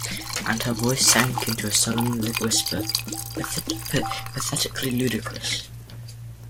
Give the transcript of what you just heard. And her voice sank into a solemn whisper, pathetically ludicrous.